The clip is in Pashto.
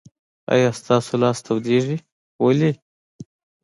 آیا ستاسو لاس تودیږي؟ ولې؟